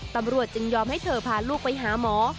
ตำรวจจึงยอมให้เธอพาลูกไปหาหมอ